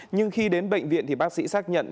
nhưng khi đến bệnh viện thì bác sĩ xác nhận